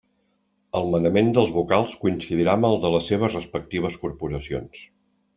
El manament dels vocals coincidirà amb el de les seves respectives Corporacions.